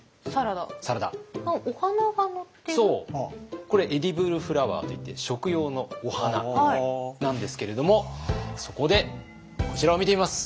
これエディブルフラワーといって食用のお花なんですけれどもそこでこちらを見てみます。